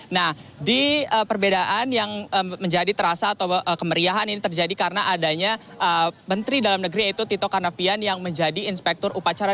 nah di perbedaan yang menjadi terasa atau kemeriahan ini terjadi karena adanya menteri dalam negeri yaitu tito karnavian yang menjadi inspektur upacara